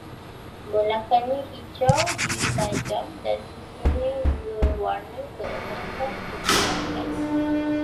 Belakangnya hijau-biru tajam, dan sisinya berwarna keemasan-keperakan